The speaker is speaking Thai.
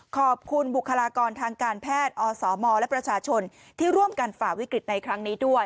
ขอบคุณบุคลากรทางการแพทย์อสมและประชาชนที่ร่วมกันฝ่าวิกฤตในครั้งนี้ด้วย